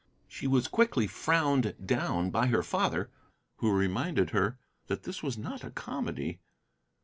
She was quickly frowned down by her father, who reminded her that this was not a comedy.